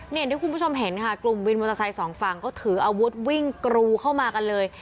อย่างที่คุณผู้ชมเห็นค่ะกลุ่มวินมอเตอร์ไซค์สองฝั่งก็ถืออาวุธวิ่งกรูเข้ามากันเลย